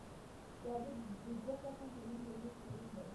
• واده د دوه کسانو تر منځ یو لوی تړون دی.